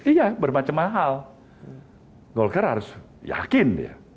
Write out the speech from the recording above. iya bermacam hal golkar harus yakin ya